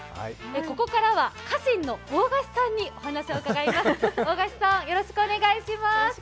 ここからは家臣の大樫さんにお話を伺います。